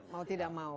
mau tidak mau